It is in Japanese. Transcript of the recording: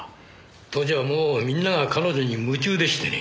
当時はもうみんなが彼女に夢中でしてね。